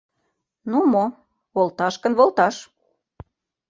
Ну мо, волташ гын, волташ!